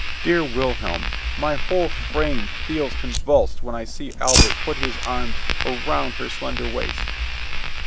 Dear Wilhelm, my whole frame feels convulsed when I see Albert put his arms around her slender waist!